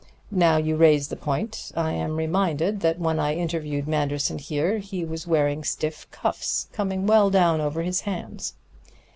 Now you raise the point, I am reminded that when I interviewed Manderson here he was wearing stiff cuffs, coming well down over his hands."